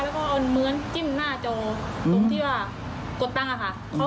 แล้วก็เอามื้อนจิ้มหน้าจอตรงที่ว่ากดตั้งอะค่ะ